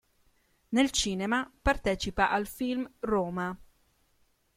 Nel cinema partecipa al film "Roma".